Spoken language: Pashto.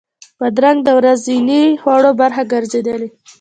بادرنګ د ورځني خوړو برخه ګرځېدلې.